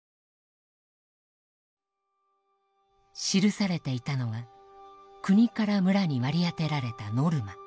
記されていたのは国から村に割り当てられたノルマ。